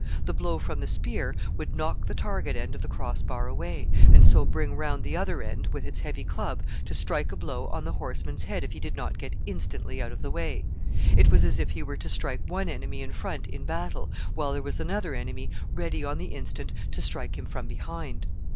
The blow from the spear would knock the target end of the cross bar away, and so bring round the other end, with its heavy club, to strike a blow on the horseman's head if he did not get instantly out of the way. It was as if he were to strike one enemy in front in battle, while there was another enemy ready on the instant to strike him from behind.